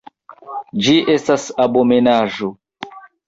Ĝi estas abomenaĵo!